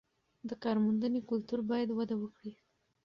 د کارموندنې کلتور باید وده وکړي.